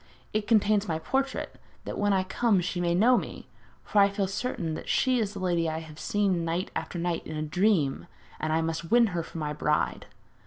It contains my portrait, that when I come she may know me; for I feel certain that she is the lady I have seen night after night in a dream, and I must win her for my bride.'